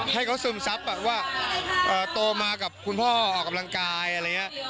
ให้เขาซึมซับแบบว่าโตมากับคุณพ่อออกกำลังกายอะไรอย่างนี้